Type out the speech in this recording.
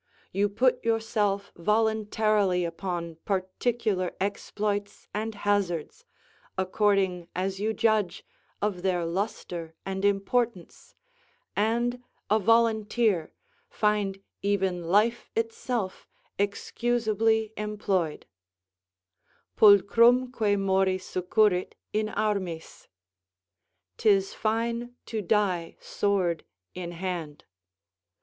You put yourself voluntarily upon particular exploits and hazards, according as you judge of their lustre and importance; and, a volunteer, find even life itself excusably employed: "Pulchrumque mori succurrit in armis." ["'Tis fine to die sword in hand."